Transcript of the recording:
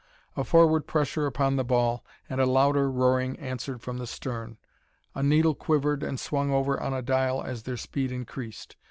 A forward pressure upon the ball, and a louder roaring answered from the stern. A needle quivered and swung over on a dial as their speed increased.